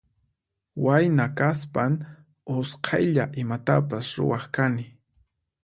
Wayna kaspan usqaylla imatapas ruwaq kani.